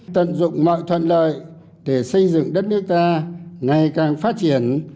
tận dụng mọi thuận lợi để xây dựng đất nước ta ngày càng phát triển